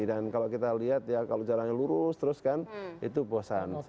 dan kalau kita lihat ya kalau jalannya lurus terus kan itu bosan